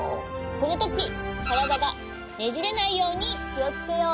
このときからだがねじれないようにきをつけよう。